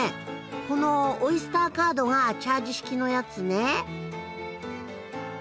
このオイスターカードがチャージ式のやつね。